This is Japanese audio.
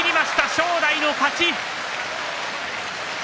正代の勝ち。